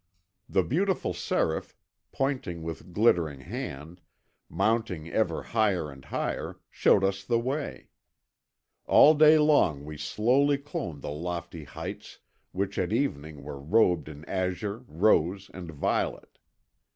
The beautiful Seraph, pointing with glittering hand, mounting ever higher and higher, showed us the way. All day long we slowly clomb the lofty heights which at evening were robed in azure, rose, and violet.